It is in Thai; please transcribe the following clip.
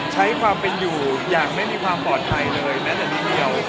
ใช้ความเป็นอยู่อย่างไม่มีความปลอดภัยเลยแม้แต่นิดเดียว